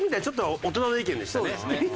ちょっと大人の意見でしたね。